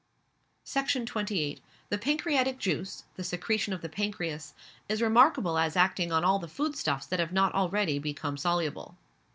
Section 28. The pancreatic juice, the secretion of the pancreas is remarkable as acting on all the food stuffs that have not already become soluble.